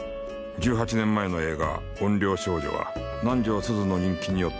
１８年前の映画『怨霊少女』は南条すずの人気によって大ヒット。